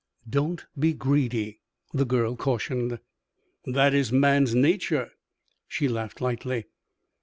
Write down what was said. "Don't be greedy," the girl cautioned. "That is man's nature." She laughed lightly.